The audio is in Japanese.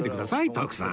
徳さん！